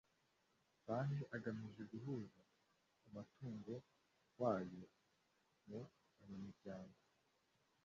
Banki agamije guhuza umutungo wayo mu banyamuryango